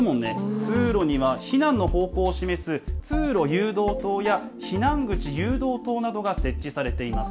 通路には避難の方向を示す通路誘導灯や避難口誘導灯などが設置されています。